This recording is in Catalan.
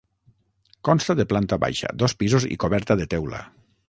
Consta de planta baixa, dos pisos i coberta de teula.